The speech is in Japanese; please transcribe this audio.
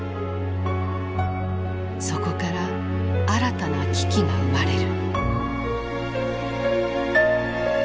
そこから新たな危機が生まれる。